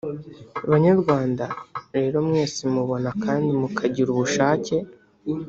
Banyarwanda rero mwese mubona kandi mukagira ubushake